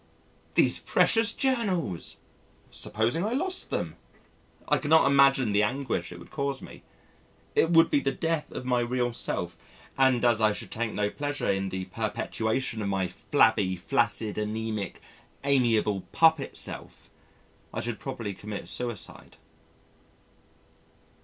These precious Journals! Supposing I lost them! I cannot imagine the anguish it would cause me. It would be the death of my real self and as I should take no pleasure in the perpetuation of my flabby, flaccid, anæmic, amiable puppet self, I should probably commit suicide.